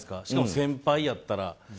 しかも先輩やったら。